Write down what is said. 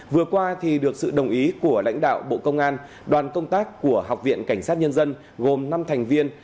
vừa qua được sự đồng ý của lãnh đạo bộ công an đoàn công tác của học viện cảnh sát nhân dân gồm năm thành viên